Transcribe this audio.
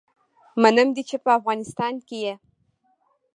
منم دی چې په افغانستان کي يي